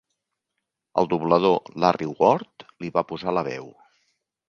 El doblador Larry Ward li va posar la veu.